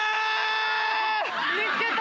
見つけた！